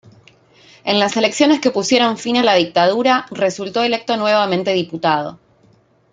En las elecciones que pusieron fin a la dictadura, resultó electo nuevamente diputado.